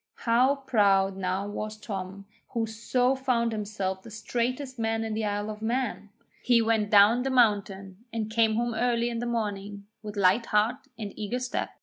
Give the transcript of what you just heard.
How proud now was Tom, who so found himself the straightest man in the Isle of Mann! He went down the mountain and came home early in the morning with light heart and eager step.